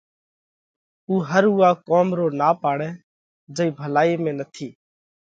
اُو ھر اُوئا ڪوم رو نا پاڙئھ جئي ڀلائِي ۾ نٿِي۔